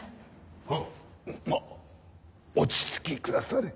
ま落ち着きくだされ。